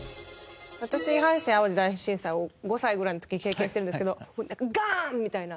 私阪神・淡路大震災を５歳ぐらいの時経験してるんですけどガン！みたいな。